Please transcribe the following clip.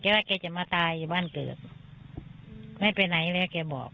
ว่าแกจะมาตายอยู่บ้านเกิดไม่ไปไหนแล้วแกบอก